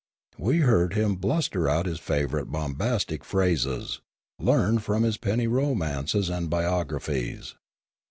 We heard him bluster out his favourite bombastic phrases, learned from his penny romances and biographies.